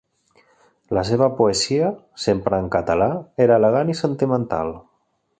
La seva poesia, sempre en català, era elegant i sentimental.